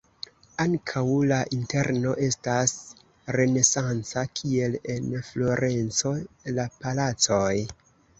Ankaŭ la interno estas renesanca, kiel en Florenco la palacoj.